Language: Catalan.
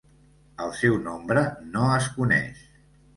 El seu nombre no es coneix.